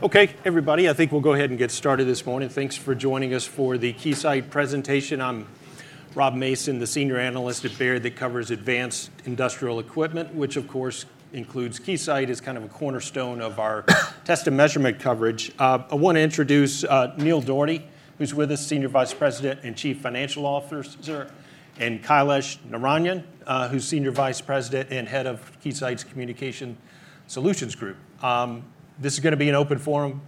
Okay, everybody, I think we'll go ahead and get started this morning. Thanks for joining us for the Keysight presentation. I'm Rob Mason, the Senior Analyst at Baird that covers advanced industrial equipment, which of course, includes Keysight, as kind of a cornerstone of our test and measurement coverage. I wanna introduce Neil Dougherty, who's with us, Senior Vice President and Chief Financial Officer, and Kailash Narayanan, who's Senior Vice President and Head of Keysight's Communications Solutions Group. This is gonna be an open forum.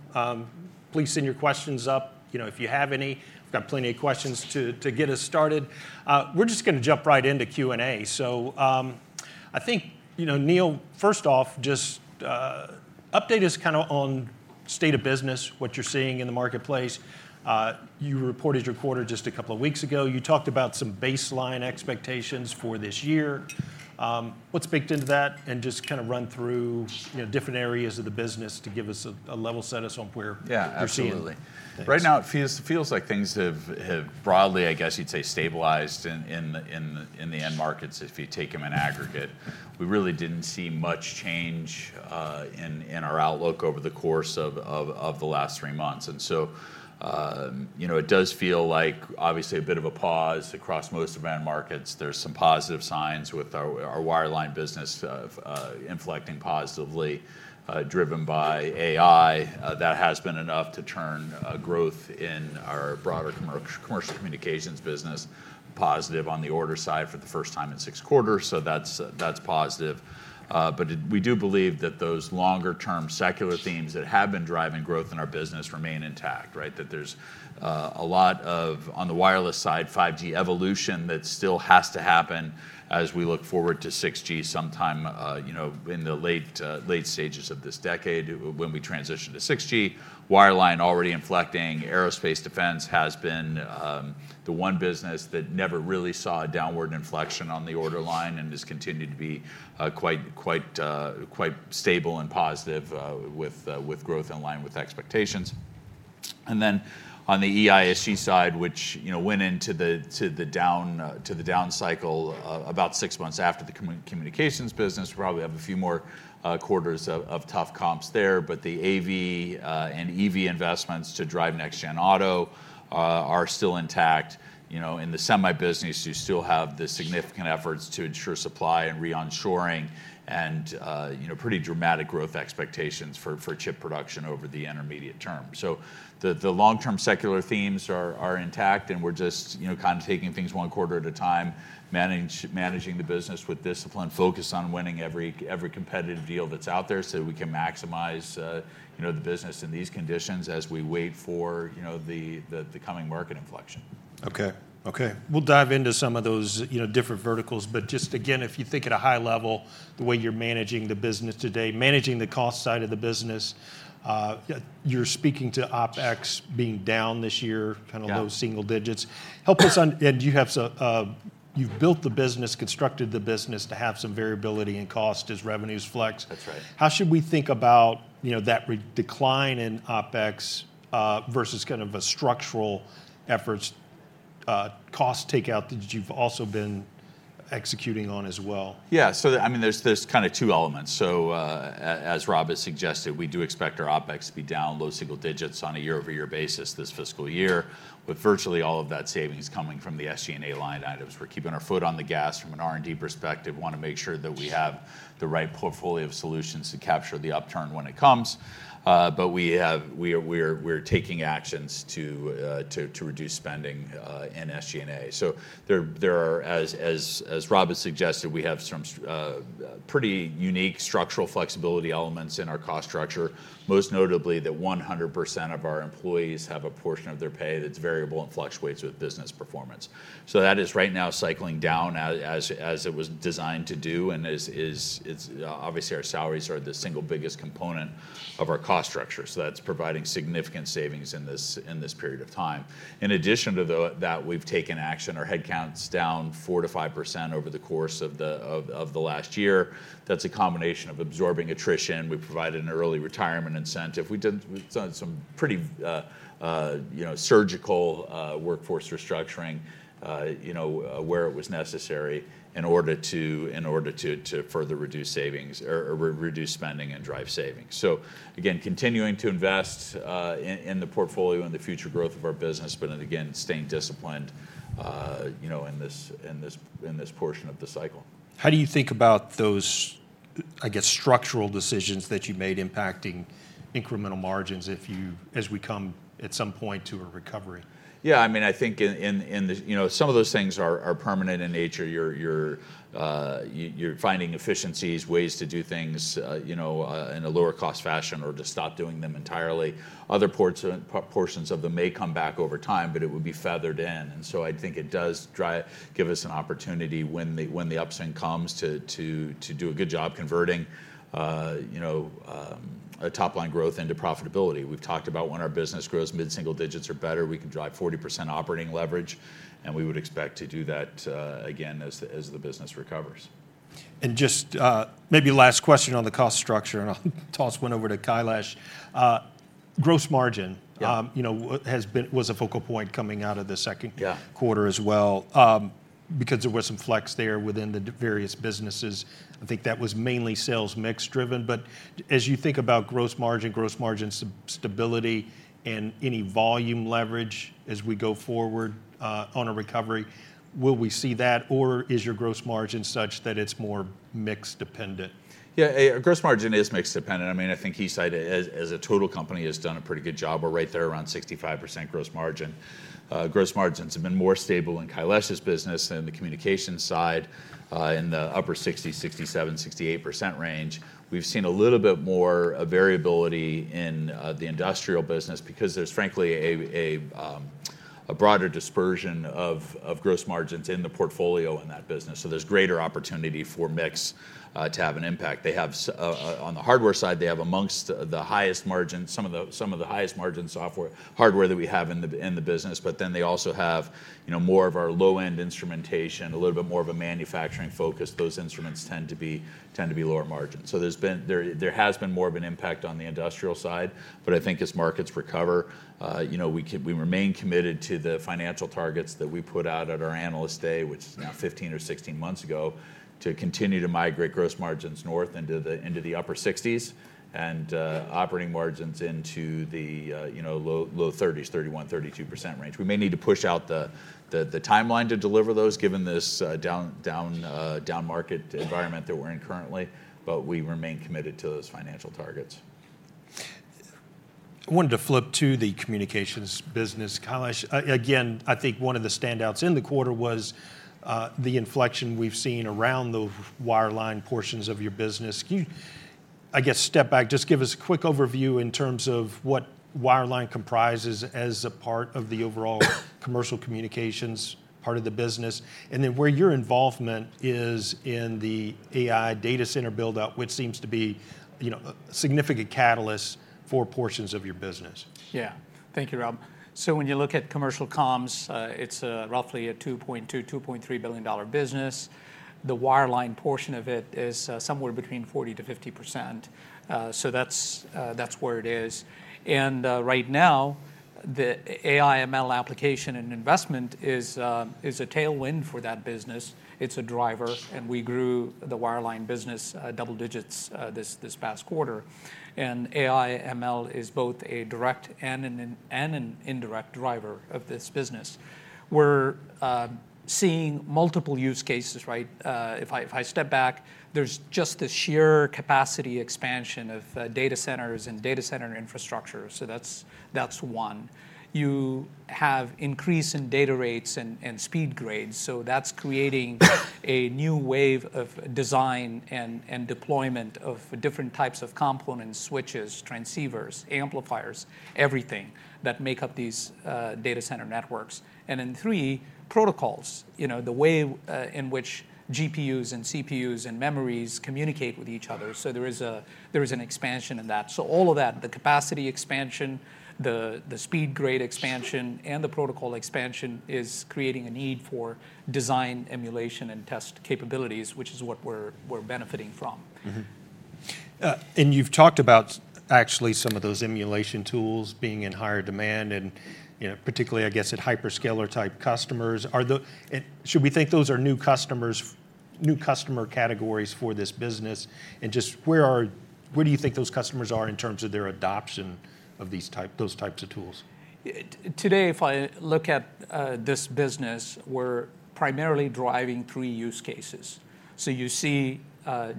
Please send your questions up, you know, if you have any. We've got plenty of questions to get us started. We're just gonna jump right into Q&A. So, I think, you know, Neil, first off, just update us kind of on state of business, what you're seeing in the marketplace. You reported your quarter just a couple of weeks ago. You talked about some baseline expectations for this year. What's baked into that? And just kind of run through, you know, different areas of the business to give us a level set us on where. Yeah, absolutely. Thanks. Right now it feels like things have broadly, I guess you'd say, stabilized in the end markets, if you take them in aggregate. We really didn't see much change in our outlook over the course of the last three months. You know, it does feel like obviously a bit of a pause across most of end markets. There's some positive signs with our wireline business of inflecting positively, driven by AI. That has been enough to turn growth in our broader commercial communications business positive on the order side for the first time in six quarters, so that's positive. But we do believe that those longer-term secular themes that have been driving growth in our business remain intact, right? That there's a lot of, on the wireless side, 5G evolution that still has to happen as we look forward to 6G sometime, you know, in the late stages of this decade, when we transition to 6G. Wireline already inflecting. Aerospace defense has been the one business that never really saw a downward inflection on the order line and has continued to be quite stable and positive with growth in line with expectations. And then on the EISG side, which, you know, went into the down cycle about six months after the communications business, we probably have a few more quarters of tough comps there. But the AV and EV investments to drive next-gen auto are still intact. You know, in the semi business, you still have the significant efforts to ensure supply and re-onshoring and, you know, pretty dramatic growth expectations for chip production over the intermediate term. So the long-term secular themes are intact, and we're just, you know, kind of taking things one quarter at a time, managing the business with discipline, focused on winning every competitive deal that's out there so that we can maximize, you know, the business in these conditions as we wait for, you know, the coming market inflection. Okay. Okay, we'll dive into some of those, you know, different verticals. But just again, if you think at a high level, the way you're managing the business today, managing the cost side of the business, you're speaking to OpEx being down this year- Yeah Kind of low single digits. Help us on- and you have some... You've built the business, constructed the business to have some variability in cost as revenues flex. That's right. How should we think about, you know, that recent decline in OpEx versus kind of a structural efforts, cost takeout that you've also been executing on as well? Yeah. So, I mean, there's kind of two elements. So, as Rob has suggested, we do expect our OpEx to be down low single digits on a year-over-year basis this fiscal year, with virtually all of that savings coming from the SG&A line items. We're keeping our foot on the gas from an R&D perspective. We wanna make sure that we have the right portfolio of solutions to capture the upturn when it comes. But we're taking actions to reduce spending in SG&A. So there are, as Rob has suggested, we have some pretty unique structural flexibility elements in our cost structure, most notably that 100% of our employees have a portion of their pay that's variable and fluctuates with business performance. So that is right now cycling down, as it was designed to do, and is—it's obviously, our salaries are the single biggest component of our cost structure, so that's providing significant savings in this period of time. In addition to that, we've taken action. Our headcount's down 4%-5% over the course of the last year. That's a combination of absorbing attrition. We provided an early retirement incentive. We did some pretty, you know, surgical workforce restructuring, you know, where it was necessary in order to further reduce savings or reduce spending and drive savings. So again, continuing to invest in the portfolio and the future growth of our business, but again, staying disciplined, you know, in this portion of the cycle. How do you think about those, I guess, structural decisions that you made impacting incremental margins if you... as we come, at some point, to a recovery? Yeah, I mean, I think in the you know, some of those things are permanent in nature. You're finding efficiencies, ways to do things you know, in a lower cost fashion or to stop doing them entirely. Other portions of them may come back over time, but it would be feathered in, and so I think it does give us an opportunity when the upswing comes to do a good job converting you know, top-line growth into profitability. We've talked about when our business grows mid-single digits or better, we can drive 40% operating leverage, and we would expect to do that again, as the business recovers. Just maybe last question on the cost structure, and I'll toss one over to Kailash. Gross margin- Yeah You know, has been- was a focal point coming out of the second. Yeah Quarter as well, because there was some flex there within the various businesses. I think that was mainly sales mix driven. But as you think about gross margin stability, and any volume leverage as we go forward, on a recovery, will we see that, or is your gross margin such that it's more mix dependent? Yeah, our gross margin is mix dependent. I mean, I think Keysight, as a total company, has done a pretty good job. We're right there around 65% gross margin. Gross margins have been more stable in Kailash's business than the communication side, in the upper 60, 67, 68% range. We've seen a little bit more variability in the industrial business because there's frankly, a broader dispersion of gross margins in the portfolio in that business, so there's greater opportunity for mix to have an impact. They have on the hardware side, they have amongst the highest margin, some of the highest margin software-hardware that we have in the business, but then they also have, you know, more of our low-end instrumentation, a little bit more of a manufacturing focus. Those instruments tend to be lower margin. So there's been more of an impact on the industrial side, but I think as markets recover, you know, we remain committed to the financial targets that we put out at our Analyst Day, which was now 15 or 16 months ago, to continue to migrate gross margins north into the upper 60s and operating margins into the low 30s, 31%-32% range. We may need to push out the timeline to deliver those, given this down market environment that we're in currently, but we remain committed to those financial targets. I wanted to flip to the communications business, Kailash. Again, I think one of the standouts in the quarter was the inflection we've seen around the wireline portions of your business. Can you, I guess, step back, just give us a quick overview in terms of what wireline comprises as a part of the overall commercial communications part of the business, and then where your involvement is in the AI data center build-out, which seems to be, you know, a significant catalyst for portions of your business. Yeah. Thank you, Rob. So when you look at commercial comms, it's roughly a $2.2-$2.3 billion business. The wireline portion of it is somewhere between 40%-50%, so that's where it is. And right now, the AI ML application and investment is a tailwind for that business. It's a driver, and we grew the wireline business double digits this past quarter. And AI ML is both a direct and an indirect driver of this business. We're seeing multiple use cases, right? If I step back, there's just the sheer capacity expansion of data centers and data center infrastructure, so that's one. You have increase in data rates and speed grades, so that's creating. A new wave of design and deployment of different types of components, switches, transceivers, amplifiers, everything that make up these data center networks. And then three, protocols. You know, the way in which GPUs and CPUs and memories communicate with each other, so there is an expansion in that. So all of that, the capacity expansion, the speed grade expansion, and the protocol expansion is creating a need for design, emulation, and test capabilities, which is what we're benefiting from. Mm-hmm. And you've talked about actually some of those emulation tools being in higher demand, and, you know, particularly, I guess, at hyperscaler-type customers. Are the... should we think those are new customers, new customer categories for this business? And just where are- where do you think those customers are in terms of their adoption of these type, those types of tools? Today, if I look at this business, we're primarily driving three use cases. So you see,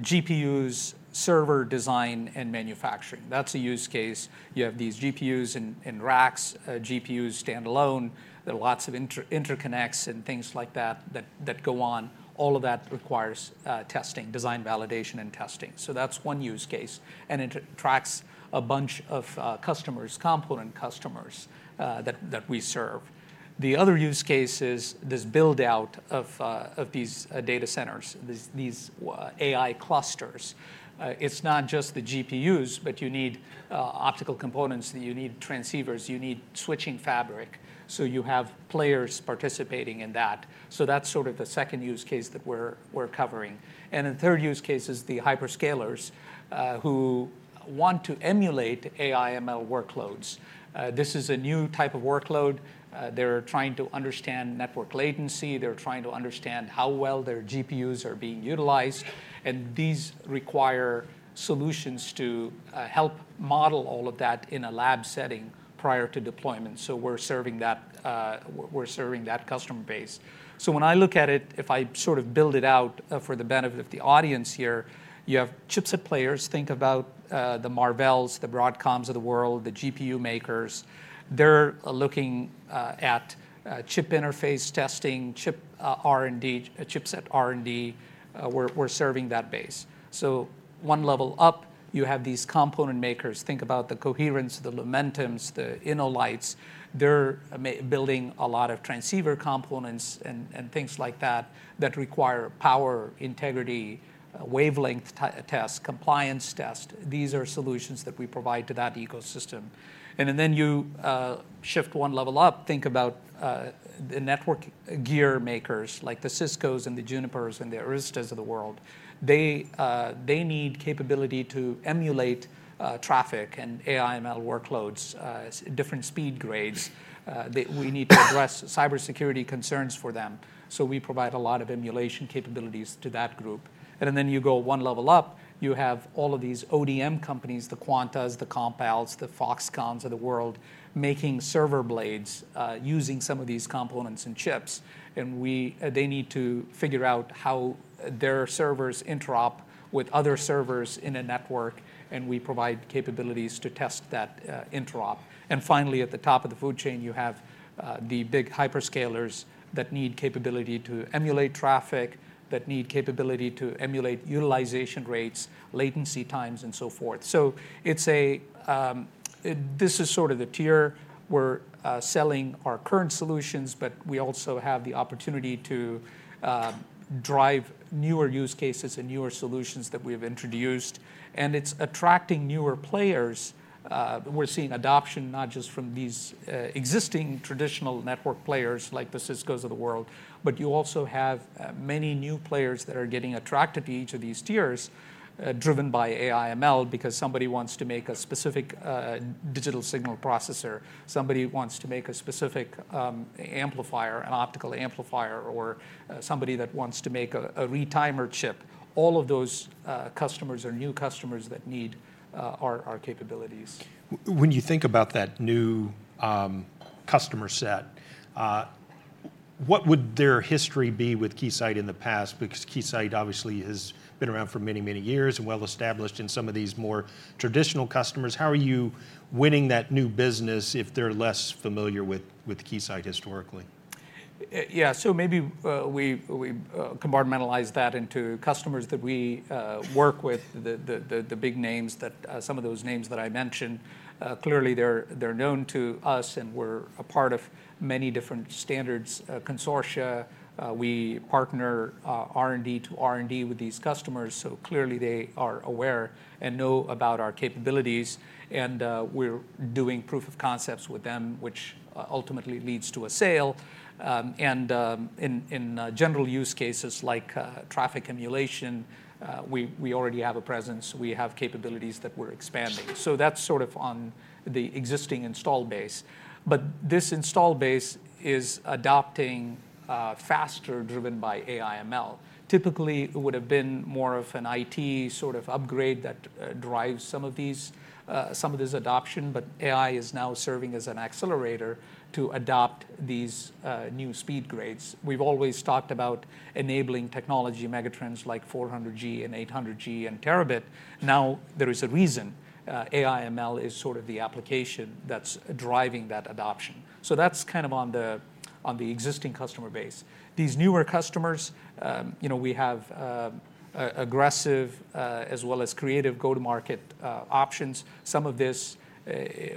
GPUs, server design, and manufacturing. That's a use case. You have these GPUs in racks, GPUs standalone. There are lots of interconnects and things like that that go on. All of that requires testing, design, validation, and testing. So that's one use case, and it attracts a bunch of customers, component customers, that we serve. The other use case is this build-out of these data centers, these AI clusters. It's not just the GPUs, but you need optical components, you need transceivers, you need switching fabric, so you have players participating in that. So that's sort of the second use case that we're covering. And the third use case is the hyperscalers, who want to emulate AI ML workloads. This is a new type of workload. They're trying to understand network latency, they're trying to understand how well their GPUs are being utilized, and these require solutions to help model all of that in a lab setting prior to deployment. So we're serving that, we're serving that customer base. So when I look at it, if I sort of build it out, for the benefit of the audience here, you have chipset players. Think about the Marvells, the Broadcoms of the world, the GPU makers. They're looking at chip interface testing, chip R&D, chipset R&D. We're serving that base. So one level up, you have these component makers. Think about the Coherent, the Lumentums, the InnoLights. They're building a lot of transceiver components and things like that that require power integrity, wavelength tests, compliance tests. These are solutions that we provide to that ecosystem. And then you shift one level up, think about the network gear makers, like the Ciscos, and the Junipers, and the Aristas of the world. They need capability to emulate traffic and AI/ML workloads, different speed grades that we need to address cybersecurity concerns for them, so we provide a lot of emulation capabilities to that group. Then you go one level up, you have all of these ODM companies, the Quanta, the Compals, the Foxconns of the world, making server blades, using some of these components and chips, and they need to figure out how their servers interop with other servers in a network, and we provide capabilities to test that interop. And finally, at the top of the food chain, you have the big hyperscalers that need capability to emulate traffic, that need capability to emulate utilization rates, latency times, and so forth. So it's a this is sort of the tier we're selling our current solutions, but we also have the opportunity to drive newer use cases and newer solutions that we've introduced, and it's attracting newer players. We're seeing adoption not just from these existing traditional network players, like the Ciscos of the world, but you also have many new players that are getting attracted to each of these tiers, driven by AI/ML, because somebody wants to make a specific digital signal processor, somebody wants to make a specific amplifier, an optical amplifier, or somebody that wants to make a retimer chip. All of those customers are new customers that need our capabilities. When you think about that new customer set, what would their history be with Keysight in the past? Because Keysight obviously has been around for many, many years and well-established in some of these more traditional customers. How are you winning that new business if they're less familiar with Keysight historically? Yeah, so maybe we compartmentalize that into customers that we work with. The big names that some of those names that I mentioned clearly, they're known to us, and we're a part of many different standards consortia. We partner R&D to R&D with these customers, so clearly they are aware and know about our capabilities, and we're doing proof of concepts with them, which ultimately leads to a sale. And in general use cases like traffic emulation, we already have a presence. We have capabilities that we're expanding. So that's sort of on the existing install base. But this install base is adopting faster, driven by AI/ML. Typically, it would've been more of an IT sort of upgrade that drives some of these, some of this adoption, but AI is now serving as an accelerator to adopt these new speed grades. We've always talked about enabling technology megatrends like 400G, and 800G, and Terabit. Now, there is a reason AI/ML is sort of the application that's driving that adoption, so that's kind of on the, on the existing customer base. These newer customers, you know, we have aggressive, as well as creative go-to-market options. Some of this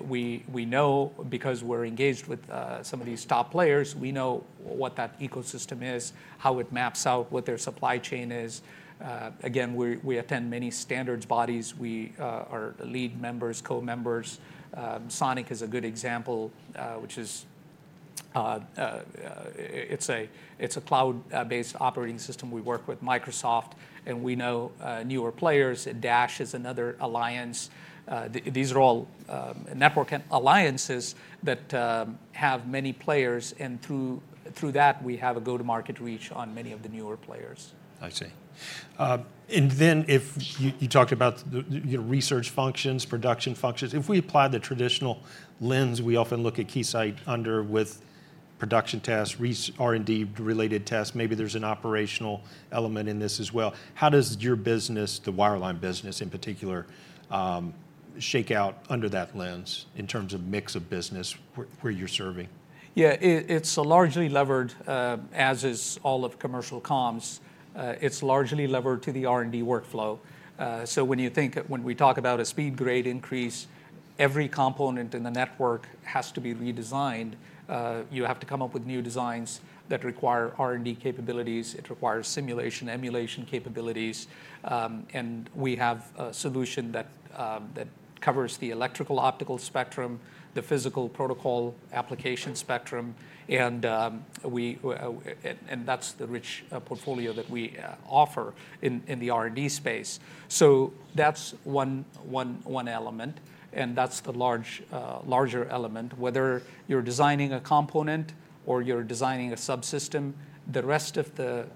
we know because we're engaged with some of these top players. We know what that ecosystem is, how it maps out, what their supply chain is. Again, we attend many standards bodies. We are lead members, co-members. SONiC is a good example, which is, it's a cloud-based operating system. We work with Microsoft, and we know newer players, and DASH is another alliance. These are all network alliances that have many players, and through that, we have a go-to-market reach on many of the newer players. I see. And then if you talked about the research functions, production functions, if we apply the traditional lens we often look at Keysight under with production tests, R&D-related tests, maybe there's an operational element in this as well, how does your business, the wireline business in particular, shake out under that lens in terms of mix of business where you're serving? Yeah, it, it's largely levered, as is all of commercial comms, it's largely levered to the R&D workflow. So when you think, when we talk about a speed grade increase, every component in the network has to be redesigned. You have to come up with new designs that require R&D capabilities. It requires simulation, emulation capabilities, and we have a solution that, that covers the electrical, optical spectrum, the physical protocol application spectrum, and, we, and, and that's the rich, portfolio that we, offer in, in the R&D space. So that's one, one, one element, and that's the large, larger element. Whether you're designing a component or you're designing a subsystem, the rest of the,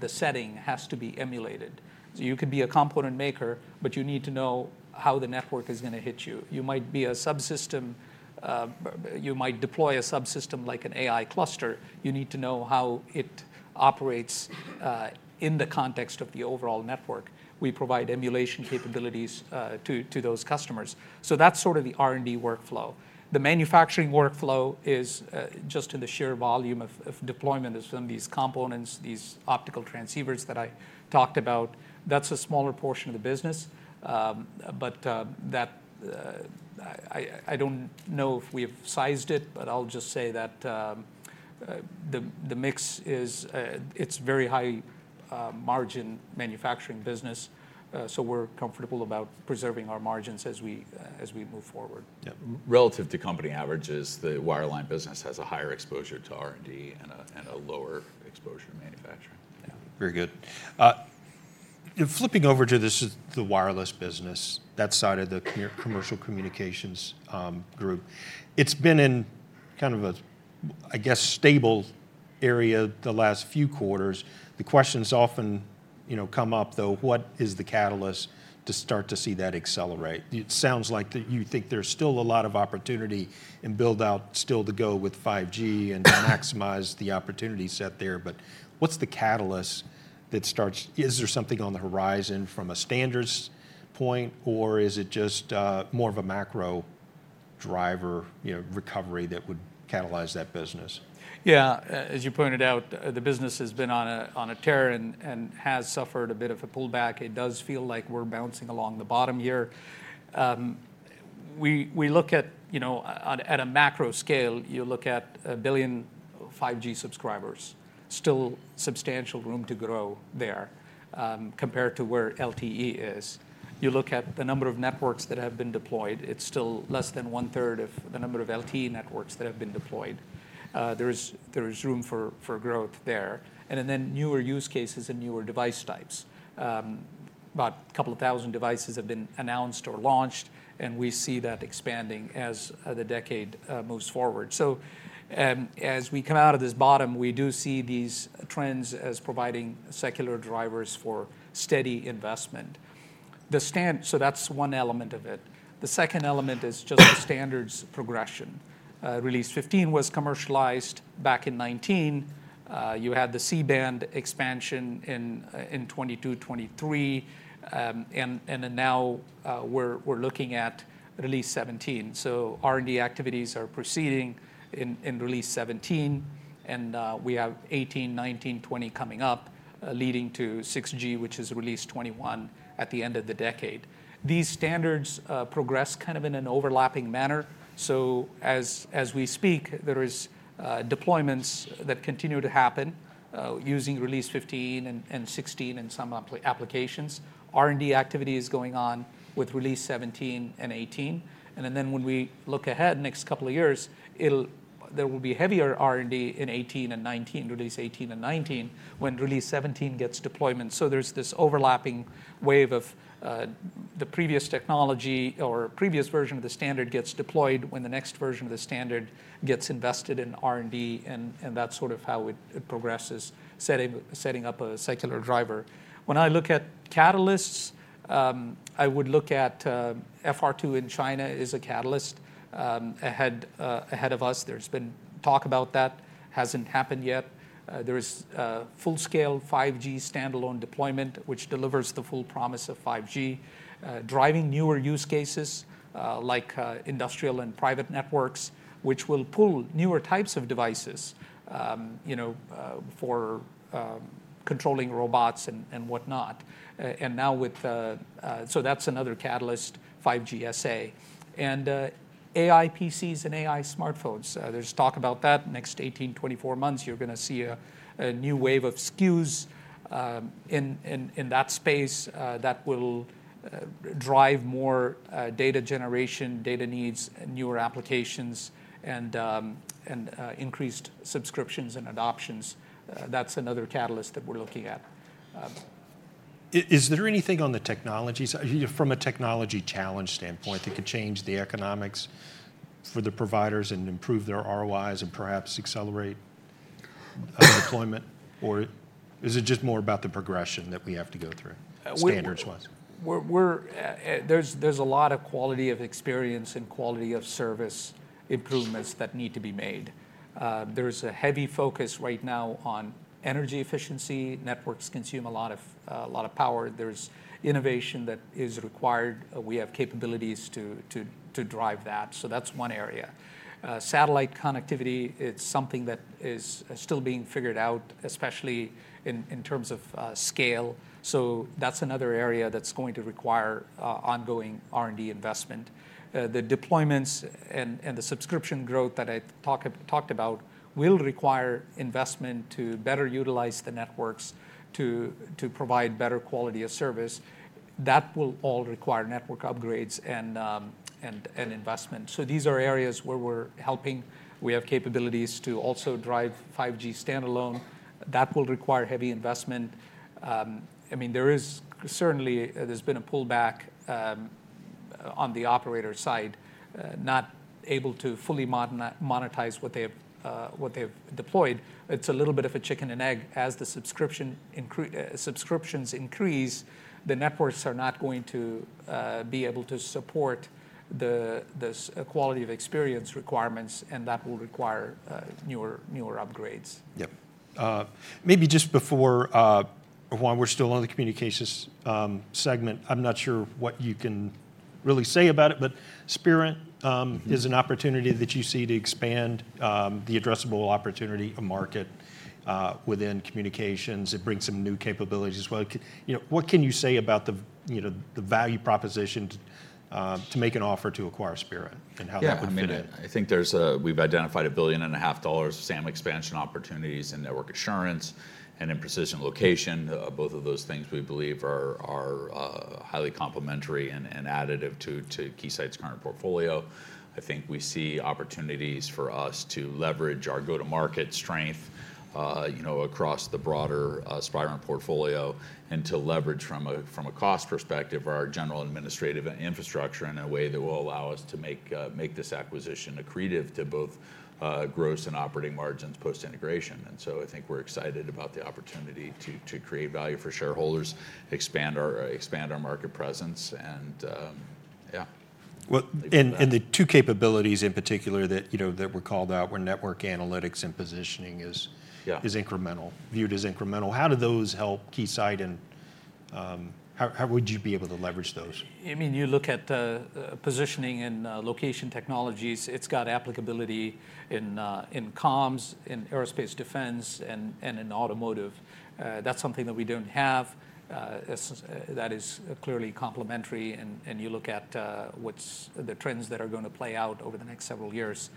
the setting has to be emulated. So you could be a component maker, but you need to know how the network is gonna hit you. You might be a subsystem, you might deploy a subsystem, like an AI cluster, you need to know how it operates in the context of the overall network. We provide emulation capabilities to those customers. So that's sort of the R&D workflow. The manufacturing workflow is just in the sheer volume of deployment of some of these components, these optical transceivers that I talked about. That's a smaller portion of the business. But that, I don't know if we have sized it, but I'll just say that, the mix is, it's very high margin manufacturing business. So we're comfortable about preserving our margins as we as we move forward. Yeah. Relative to company averages, the wireline business has a higher exposure to R&D and a lower exposure to manufacturing. Yeah. Very good. In flipping over to this, the wireless business, that side of the commercial communications group, it's been in kind of a, I guess, stable area the last few quarters. The questions often, you know, come up, though: What is the catalyst to start to see that accelerate? It sounds like that you think there's still a lot of opportunity and build-out still to go with 5G and maximize the opportunity set there, but what's the catalyst that starts? Is there something on the horizon from a standards point, or is it just more of a macro driver, you know, recovery that would catalyze that business? Yeah. As you pointed out, the business has been on a tear and has suffered a bit of a pullback. It does feel like we're bouncing along the bottom here. We look at, you know, at a macro scale, you look at 1 billion 5G subscribers, still substantial room to grow there, compared to where LTE is. You look at the number of networks that have been deployed, it's still less than one-third of the number of LTE networks that have been deployed. There is room for growth there, and then newer use cases and newer device types. About 2,000 devices have been announced or launched, and we see that expanding as the decade moves forward. So, as we come out of this bottom, we do see these trends as providing secular drivers for steady investment. So that's one element of it. The second element is the standards progression. Release 15 was commercialized back in 2019. You had the C-band expansion in 2022, 2023. And then now, we're looking at Release 17. So R&D activities are proceeding in Release 17, and we have 2018, 2019, 2020 coming up, leading to 6G, which is Release 21 at the end of the decade. These standards progress kind of in an overlapping manner, so as we speak, there is deployments that continue to happen, using Release 15 and 16 in some applications. R&D activity is going on with Release 17 and 18, and then when we look ahead next couple of years, there will be heavier R&D in 2018 and 2019, Release 18 and 19, when Release 17 gets deployment. So there's this overlapping wave of the previous technology or previous version of the standard gets deployed when the next version of the standard gets invested in R&D, and that's sort of how it progresses, setting up a secular driver. When I look at catalysts, I would look at FR 2 in China is a catalyst, ahead of us. There's been talk about that. Hasn't happened yet. There is full-scale 5G standalone deployment, which delivers the full promise of 5G. Driving newer use cases, like industrial and private networks, which will pull newer types of devices, you know, for controlling robots and whatnot. So that's another catalyst, 5G SA. And AI PCs and AI smartphones, there's talk about that. Next 18-24 months, you're gonna see a new wave of SKUs in that space that will drive more data generation, data needs, newer applications, and increased subscriptions and adoptions. That's another catalyst that we're looking at. Is there anything on the technology side, you know, from a technology challenge standpoint, that could change the economics for the providers and improve their ROIs and perhaps accelerate deployment, or is it just more about the progression that we have to go through, standards-wise? There's a lot of quality of experience and quality-of-service improvements that need to be made. There's a heavy focus right now on energy efficiency. Networks consume a lot of power. There's innovation that is required. We have capabilities to drive that, so that's one area. Satellite connectivity, it's something that is still being figured out, especially in terms of scale. So that's another area that's going to require ongoing R&D investment. The deployments and the subscription growth that I talked about will require investment to better utilize the networks to provide better quality of service. That will all require network upgrades and investment. So these are areas where we're helping. We have capabilities to also drive 5G standalone. That will require heavy investment. I mean, there is certainly there's been a pullback on the operator side, not able to fully monetize what they have, what they've deployed. It's a little bit of a chicken and egg. As the subscriptions increase, the networks are not going to be able to support the quality of experience requirements, and that will require newer upgrades. Yep. Maybe just before, while we're still on the communications segment, I'm not sure what you can really say about it, but Spirent, Mm-hmm is an opportunity that you see to expand the addressable opportunity, a market within communications. It brings some new capabilities as well. You know, what can you say about the, you know, the value proposition to make an offer to acquire Spirent, and how that would fit in? Yeah, I mean, I think we've identified $1.5 billion SAM expansion opportunities in network assurance and in precision location. Both of those things, we believe, are highly complementary and additive to Keysight's current portfolio. I think we see opportunities for us to leverage our go-to-market strength, you know, across the broader Spirent portfolio, and to leverage from a cost perspective, our general administrative infrastructure in a way that will allow us to make this acquisition accretive to both gross and operating margins post-integration. And so I think we're excited about the opportunity to create value for shareholders, expand our market presence, and yeah. Well, and the two capabilities in particular that, you know, that were called out were network analytics and positioning is- Yeah Is incremental, viewed as incremental. How do those help Keysight, and how would you be able to leverage those? I mean, you look at, positioning and, location technologies, it's got applicability in, in comms, in aerospace defense, and, and in automotive. That's something that we don't have, that is clearly complementary, and, and you look at, what's the trends that are gonna play out over the next several years,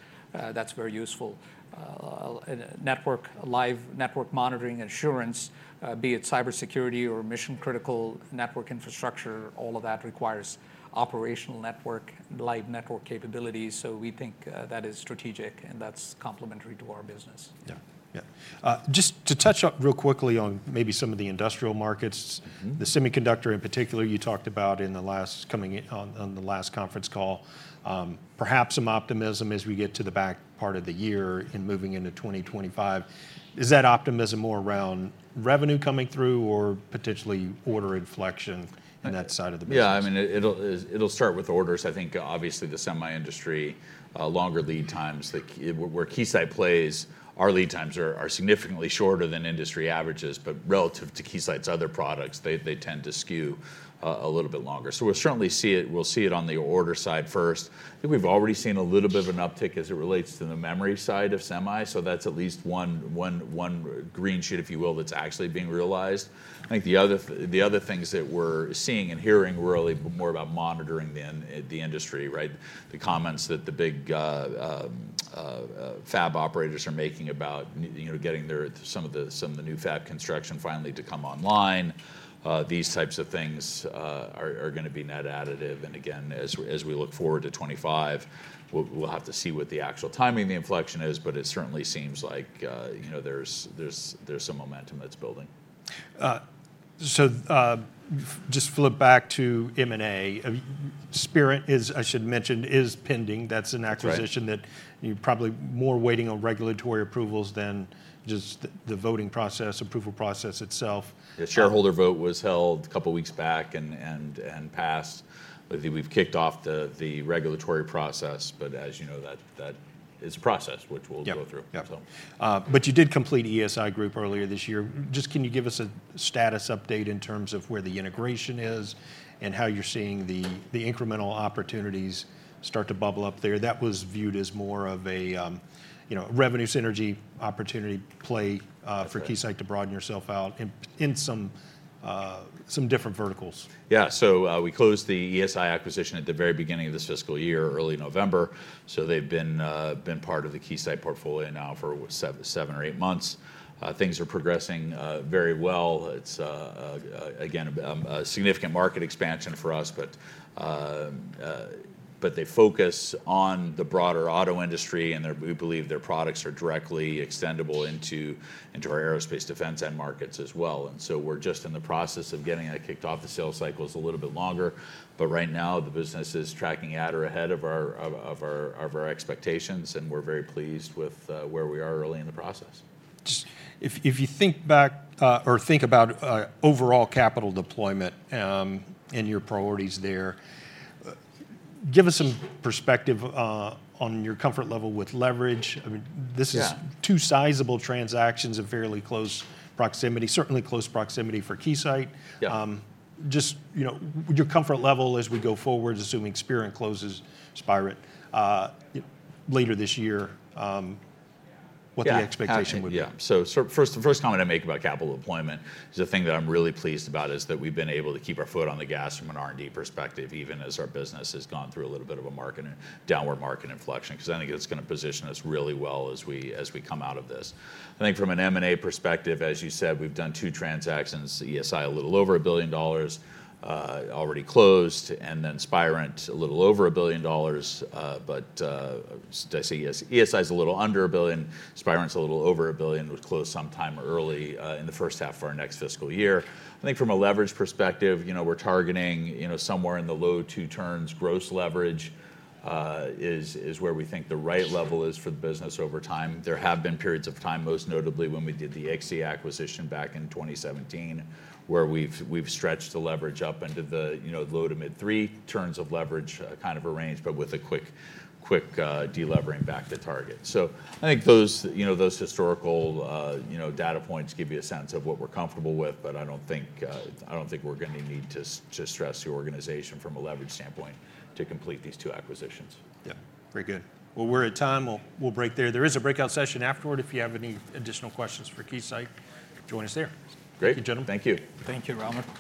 that's very useful. And network, live network monitoring assurance, be it cybersecurity or mission-critical network infrastructure, all of that requires operational network, live network capabilities, so we think, that is strategic, and that's complementary to our business. Yeah. Yeah. Just to touch up real quickly on maybe some of the industrial markets- Mm-hmm The semiconductor in particular, you talked about in the last quarter on the last conference call. Perhaps some optimism as we get to the back part of the year in moving into 2025. Is that optimism more around revenue coming through or potentially order inflection in that side of the business? Yeah, I mean, it'll start with orders. I think, obviously, the semi industry longer lead times. The kind where Keysight plays, our lead times are significantly shorter than industry averages, but relative to Keysight's other products, they tend to skew a little bit longer. So we'll certainly see it, we'll see it on the order side first. I think we've already seen a little bit of an uptick as it relates to the memory side of semi, so that's at least one green shoot, if you will, that's actually being realized. I think the other things that we're seeing and hearing were really more about monitoring the industry, right? The comments that the big fab operators are making about you know, getting their, some of the, some of the new fab construction finally to come online. These types of things are gonna be net additive, and again, as we look forward to 2025, we'll have to see what the actual timing of the inflection is, but it certainly seems like you know, there's some momentum that's building. So, just flip back to M&A. Spirent is, I should mention, is pending. Right. That's an acquisition that you're probably more waiting on regulatory approvals than just the voting process, approval process itself. The shareholder vote was held a couple of weeks back and passed. I think we've kicked off the regulatory process, but as you know, that is a process which we'll go through. Yeah. So. but you did complete ESI Group earlier this year. Just can you give us a status update in terms of where the integration is, and how you're seeing the incremental opportunities start to bubble up there? That was viewed as more of a, you know, revenue synergy opportunity play. That's right For Keysight to broaden yourself out in some different verticals. Yeah, so we closed the ESI acquisition at the very beginning of this fiscal year, early November, so they've been part of the Keysight portfolio now for what? Seven or eight months. Things are progressing very well. It's again a significant market expansion for us, but they focus on the broader auto industry, and we believe their products are directly extendable into our aerospace defense end markets as well. So we're just in the process of getting that kicked off. The sales cycle is a little bit longer, but right now, the business is tracking at or ahead of our expectations, and we're very pleased with where we are early in the process. Just if you think back, or think about overall capital deployment and your priorities there, give us some perspective on your comfort level with leverage. I mean, this is- Yeah Two sizable transactions of fairly close proximity, certainly close proximity for Keysight. Yeah. Just, you know, your comfort level as we go forward, assuming Spirent closes, Spirent, later this year, what the expectation would be? Yeah. Yeah, so, so first, the first comment I'd make about capital deployment is the thing that I'm really pleased about is that we've been able to keep our foot on the gas from an R&D perspective, even as our business has gone through a little bit of a market, downward market inflection, 'cause I think it's gonna position us really well as we, as we come out of this. I think from an M&A perspective, as you said, we've done two transactions: ESI, a little over $1 billion, already closed, and then Spirent, a little over $1 billion. But, did I say ESI? ESI is a little under $1 billion, Spirent's a little over $1 billion. Would close sometime early, in the first half of our next fiscal year. I think from a leverage perspective, you know, we're targeting, you know, somewhere in the low two turns. Gross leverage is where we think the right level is for the business over time. There have been periods of time, most notably when we did the Ixia acquisition back in 2017, where we've stretched the leverage up into the, you know, low- to mid-three turns of leverage, kind of a range, but with a quick de-levering back to target. So I think those, you know, those historical data points give you a sense of what we're comfortable with, but I don't think we're gonna need to stress the organization from a leverage standpoint to complete these two acquisitions. Yeah. Very good. Well, we're at time. We'll, we'll break there. There is a breakout session afterward. If you have any additional questions for Keysight, join us there. Great. Gentlemen. Thank you. Thank you, Ronald.